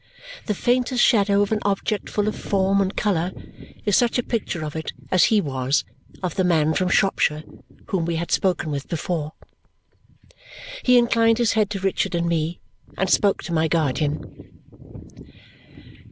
The faintest shadow of an object full of form and colour is such a picture of it as he was of the man from Shropshire whom we had spoken with before. He inclined his head to Richard and me and spoke to my guardian.